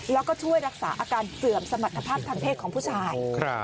แล้วก็ช่วยรักษาอาการเสื่อมสมรรถภาพทางเพศของผู้ชาย